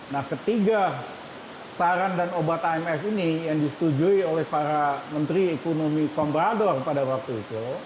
nah ketiga saran dan obat imf ini yang disetujui oleh para menteri ekonomi comprador pada waktu itu